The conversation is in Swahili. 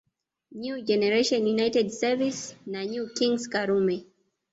New Generationb United Service na New Kings Karume